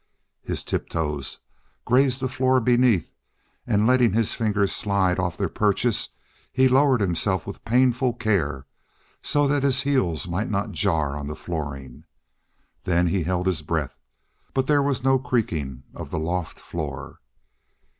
His tiptoes grazed the floor beneath, and letting his fingers slide off their purchase, he lowered himself with painful care so that his heels might not jar on the flooring. Then he held his breath but there was no creaking of the loft floor.